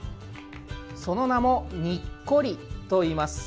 その名も、にっこりといいます。